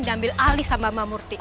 dan ambil alis sama mama murti